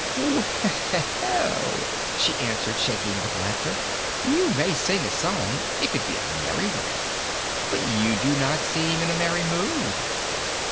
"Well," she answered, shaking with laughter, "you may sing a song if it be a merry one. But you do not seem in a merry mood."